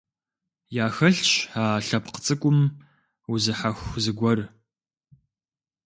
Яхэлъщ а лъэпкъ цӀыкӀум узыхьэху зыгуэр.